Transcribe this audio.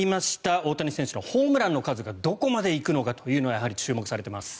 大谷選手のホームランの数がどこまで行くのかというのがやはり、注目されています。